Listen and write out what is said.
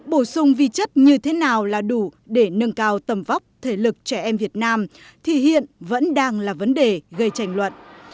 bổ sung vi chất như thế nào là đủ để nâng cao tầm vóc thể lực trẻ em việt nam thì hiện vẫn đang là vấn đề gây tranh luận